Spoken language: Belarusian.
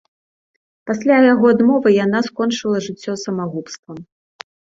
Пасля яго адмовы, яна скончыла жыццё самагубствам.